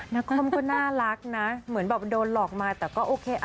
นครก็น่ารักนะเหมือนแบบโดนหลอกมาแต่ก็โอเค